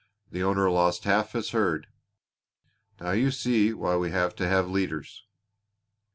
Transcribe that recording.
The owner lost half his herd. Now you see why we have to have leaders."